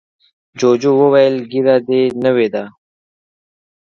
جوجو وویل ږیره دې نوې ده.